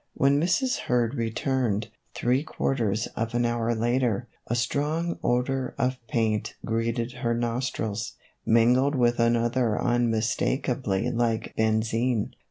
When Mrs. Hurd returned, three quarters of an hour later, a strong odor of paint greeted her nos trils, mingled with another unmistakably like ben zine.